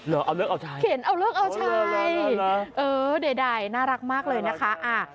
เอาเลิกเอาชัยเข็นเอาเลิกเอาชัยเออใดน่ารักมากเลยนะคะ